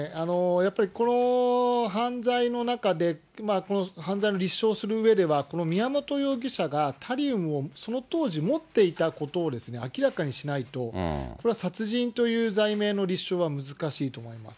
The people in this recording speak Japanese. やっぱりこの犯罪の中で、この犯罪を立証するうえでは、この宮本容疑者がタリウムをその当時、持っていたことをですね、明らかにしないと、これは殺人という罪名の立証は難しいと思います。